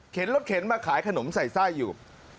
รถเข็นมาขายขนมใส่ไส้อยู่